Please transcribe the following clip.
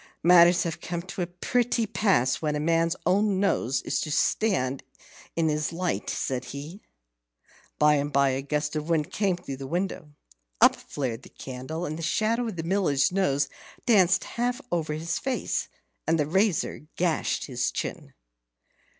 "Matters have come to a pretty pass, when a man's own nose is to stand in his light," said he. By and by a gust of wind came through the window. Up flared the candle, and the shadow of the Miller's nose danced half over his face, and the razor gashed his chin.